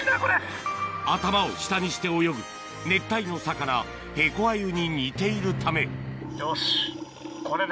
頭を下にして泳ぐ熱帯の魚ヘコアユに似ているためよしこれで。